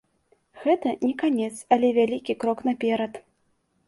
Гэта не канец, але вялікі крок наперад.